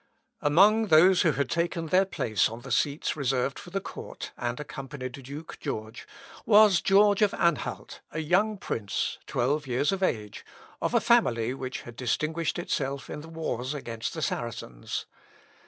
Among those who had taken their place on the seats reserved for the Court, and accompanied Duke George, was George of Anhalt, a young prince, twelve years of age, of a family which had distinguished itself in the wars against the Saracens.